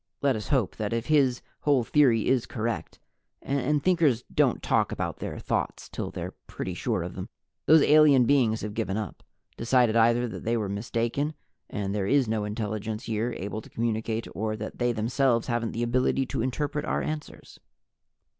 Let us hope that if his whole theory is correct and Thinkers don't talk about their Thoughts till they're pretty sure of them those alien beings have given up, decided either that they were mistaken and there is no intelligence here able to communicate, or that they themselves haven't the ability to interpret our answers.